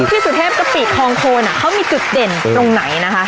สุเทพกะปิคองโคนเขามีจุดเด่นตรงไหนนะคะ